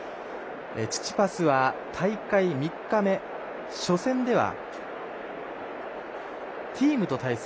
チチパスは大会３日目初戦ではティームと対戦。